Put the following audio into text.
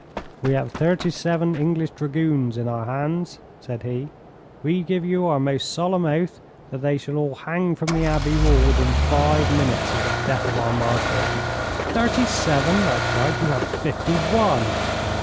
'We have thirty seven English dragoons in our hands,' said he. 'We give you our most solemn oath that they shall all hang from the Abbey wall within five minutes of the death of our Marshal.' 'Thirty seven!' I cried. 'You have fifty one.'